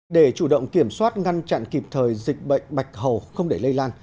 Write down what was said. để chủ động kiểm soát ngăn chặn kịp thời dịch bệnh bạch hầu không để lây lan